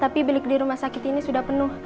tapi bilik di rumah sakit ini sudah penuh